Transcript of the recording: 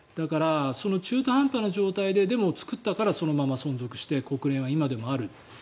で、中途半端な状態ででも作ったからそのまま存続して国連は今でもある。